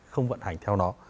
không vận hành theo nó